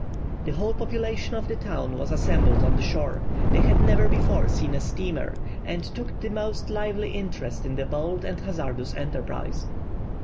The whole population of the town was assembled on the shore; they had never before seen a steamer, and took the most lively interest in the bold and hazardous enterprise.